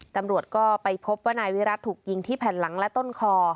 ตำรวจก็ไปพบว่านายวิรัติถูกยิงที่แผ่นหลังและต้นคอ